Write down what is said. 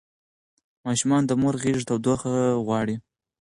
ماشومان د مور د غېږې تودوخه غواړي.